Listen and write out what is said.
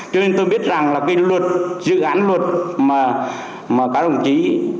cho nên tôi biết rằng là cái luật dự án luật mà các đồng chí